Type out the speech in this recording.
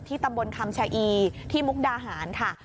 ตำบลคำชะอีที่มุกดาหารค่ะ